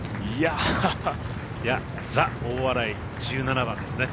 ザ・大洗１７番ですね。